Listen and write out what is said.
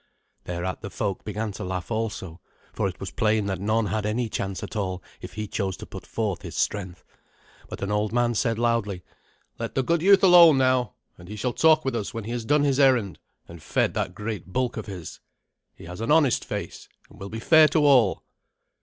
Thereat the folk began to laugh also, for it was plain that none had any chance at all if he chose to put forth his strength; but an old man said loudly, "Let the good youth alone now, and he shall talk with us when he has done his errand and fed that great bulk of his. He has an honest face, and will be fair to all."